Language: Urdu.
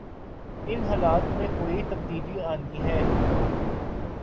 ان حالات میں کوئی تبدیلی آنی ہے۔